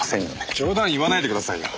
冗談言わないでくださいよ。